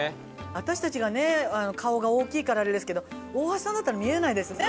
私たちがね顔が大きいからあれですけど大橋さんだったら見えないですね